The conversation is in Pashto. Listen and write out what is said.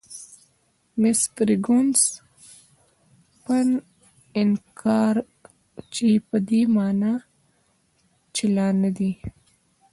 میس فرګوسن: 'pan encore' چې په دې مانا چې لا نه دي.